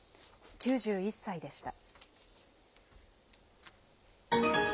９１歳でした。